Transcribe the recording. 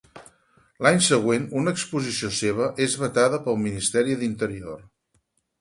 A l'any següent una exposició seva és vetada pel Ministeri d'Interior.